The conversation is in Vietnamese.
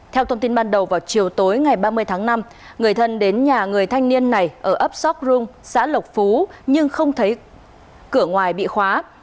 theo thông tin ban đầu vào chiều tối ngày ba mươi tháng năm người thân đến nhà người thanh niên này ở ấp sóc rung xã lộc phú nhưng không thấy cửa ngoài bị khóa